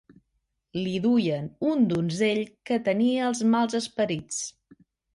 Li duien un donzell que tenia els mals esperits.